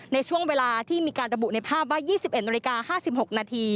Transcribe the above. ในช่วงเวลาที่มีการระบุในภาพว่า๒๑น๕๖น